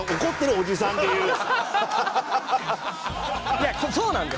いやそうなんだよ。